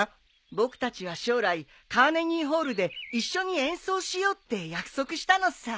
僕たちは将来カーネギーホールで一緒に演奏しようって約束したのさ。